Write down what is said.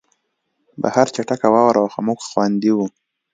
بهر چټکه واوره وه خو موږ خوندي وو